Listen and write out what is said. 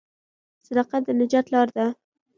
صداقت د نجات لار ده.